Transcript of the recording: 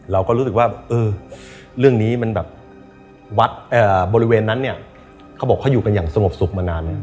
เราก็รู้สึกว่าเออเรื่องนี้มันแบบวัดบริเวณนั้นเนี่ยเขาบอกเขาอยู่กันอย่างสงบสุขมานาน